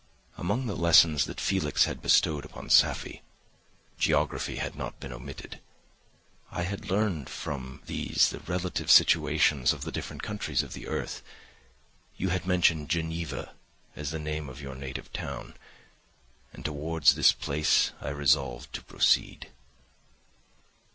Among the lessons that Felix had bestowed upon Safie, geography had not been omitted; I had learned from these the relative situations of the different countries of the earth. You had mentioned Geneva as the name of your native town, and towards this place I resolved to proceed.